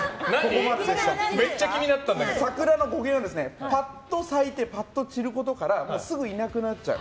サクラの語源はパッと咲いてパッと散ることからすぐいなくなっちゃう。